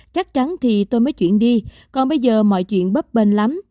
chắc chắn thì tôi mới chuyển đi còn bây giờ mọi chuyện bấp bên lắm